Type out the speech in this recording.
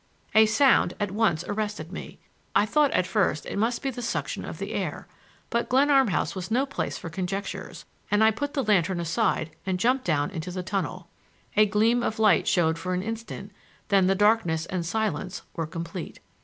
A sound at once arrested me. I thought at first it must be the suction of the air, but Glenarm House was no place for conjectures, and I put the lantern aside and jumped down into the tunnel. A gleam of light showed for an instant, then the darkness and silence were complete.